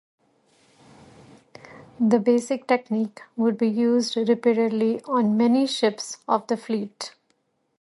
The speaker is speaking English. This basic technique would be used repeatedly on many ships of the fleet.